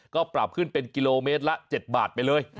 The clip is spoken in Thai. ก็ปรับขึ้นเป็นกิโลเมตรละ๗บาทไปเลย